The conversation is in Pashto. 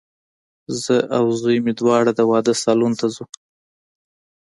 زه او زوی مي دواړه د واده سالون ته ځو